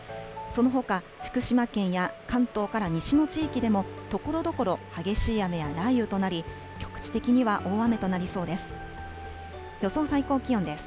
そのほか福島県や関東から西の地域でもところどころ激しい雨や雷雨となり局地的には大雨となりそうです。